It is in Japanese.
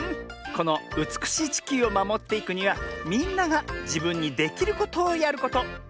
このうつくしいちきゅうをまもっていくにはみんながじぶんにできることをやること。